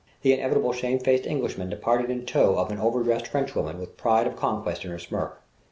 The inevitable shamefaced Englishman departed in tow of an overdressed Frenchwoman with pride of conquest in her smirk.